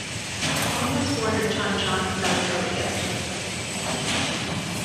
Kim was born in Chunchon, South Korea.